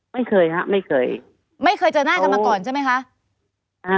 ไม่เคยฮะไม่เคยไม่เคยเจอหน้ากันมาก่อนใช่ไหมคะ